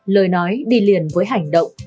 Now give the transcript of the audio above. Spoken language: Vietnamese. lời nói đi liền với hành động